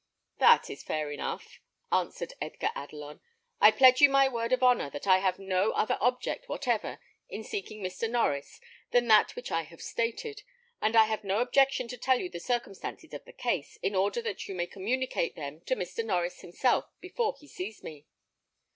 "That is fair enough," answered Edgar Adelon; "I pledge you my word of honour that I have no other object whatever in seeking Mr. Norries than that which I have stated; and I have no objection to tell you the circumstances of the case, in order that you may communicate them to Mr. Norries himself before he sees me."